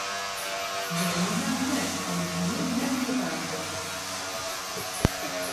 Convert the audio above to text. Neam myn namme net om myn famylje net yn gefaar te bringen.